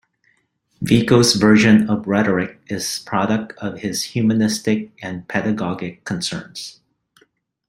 Vico's version of rhetoric is product of his humanistic and pedagogic concerns.